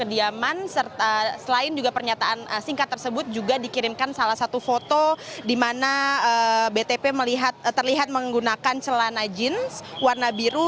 kediaman selain juga pernyataan singkat tersebut juga dikirimkan salah satu foto di mana btp terlihat menggunakan celana jeans warna biru